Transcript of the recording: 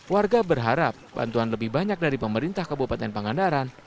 warga berharap bantuan lebih banyak dari pemerintah kabupaten pangandaran